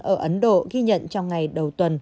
ở ấn độ ghi nhận trong ngày đầu tuần